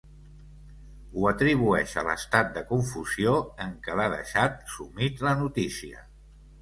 Ho atribueix a l'estat de confusió en què l'ha deixat sumit la notícia.